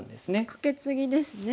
カケツギですね。